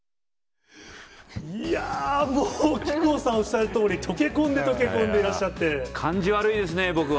いやぁー、もう木久扇さんおっしゃるとおり、溶け込んで、溶け込んでいらっし感じ悪いですね、僕は。